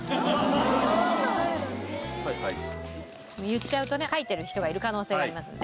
言っちゃうとね書いてる人がいる可能性がありますので。